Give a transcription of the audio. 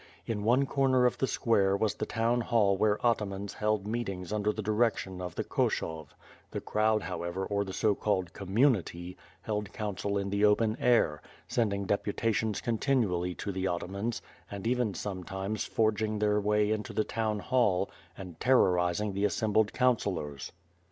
In one corner of the square, was the town hall where atamans held meetings under the direction of the Koshov; the crowd however or the so called "Community" held council in the open air, sending deputa tions continually to the atamans, and even sometimes for cing their way into the town hall and terrorizing the assem bled councillors.